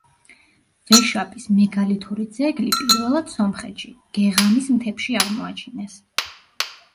ვეშაპის მეგალითური ძეგლი პირველად სომხეთში გეღამის მთებში აღმოაჩინეს.